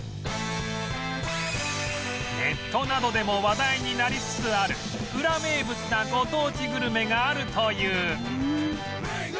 ネットなどでも話題になりつつあるウラ名物なご当地グルメがあるという